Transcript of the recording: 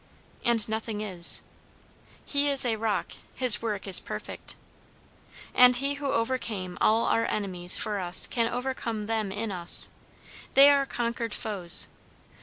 And nothing is. "He is a Rock; his work is perfect." And he who overcame all our enemies for us can overcome them in us. They are conquered foes.